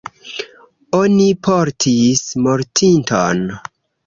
Oni portis mortinton.